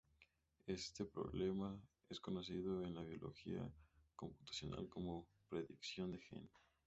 Este problema es conocido en la biología computacional como predicción de gen.